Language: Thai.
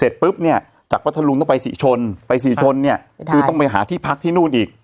เสร็จปุ๊บเนี่ยจากพัทธรุงต้องไปศรีชนไปศรีชนเนี่ยคือต้องไปหาที่พักที่นู่นอีก